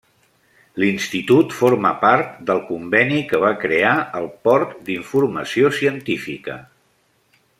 L'institut forma part del conveni que va crear el Port d'Informació Científica.